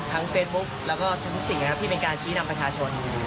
ทั้งเฟสบุ๊คแล้วก็ทุกสิ่งที่เป็นการชี้นำประชาชน